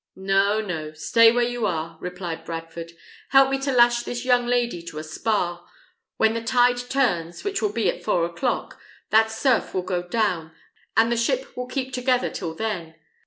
"No, no; stay where you are," replied Bradford. "Help me to lash this young lady to a spar. When the tide turns, which it will at four o'clock, that surf will go down, and the ship will keep together till then.